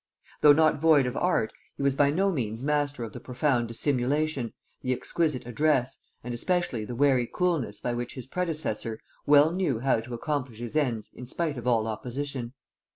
Though not void of art, he was by no means master of the profound dissimulation, the exquisite address, and especially the wary coolness by which his predecessor well knew how to accomplish his ends in despite of all opposition.